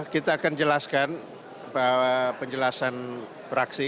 kita akan jelaskan bahwa penjelasan fraksi